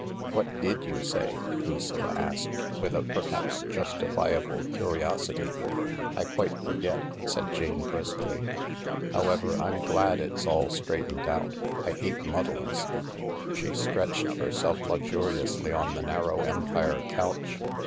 "What did you say ?" Lucilla asked, with a perhaps justifiable curiosity. ^' I quite forget," said Jane briskly. " However, Vtxx glad it's all straightened out. I hate muddles." She stretched herself luxuriously on the narrow Empire couch.